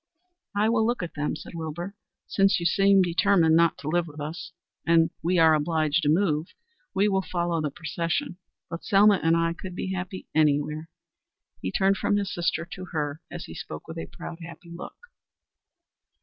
"I will look at them," said Wilbur. "Since you seem determined not to live with us, and we are obliged to move, we will follow the procession. But Selma and I could be happy anywhere." He turned from his sister to her as he spoke with a proud, happy look.